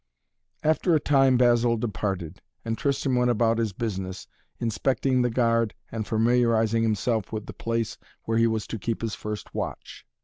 After a time Basil departed, and Tristan went about his business, inspecting the guard and familiarizing himself with the place where he was to keep his first watch.